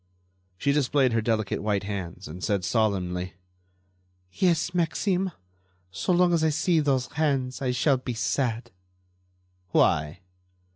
She displayed her delicate white hands and said, solemnly: "Yes, Maxime; so long as I see those hands I shall be sad." "Why?"